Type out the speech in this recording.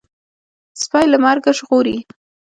سپى له مرګه ژغوري.